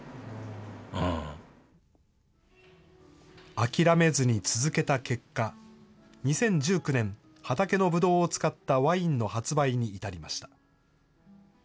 諦めずに続けた結果、２０１９年、畑のブドウを使ったワインの発売に至りました。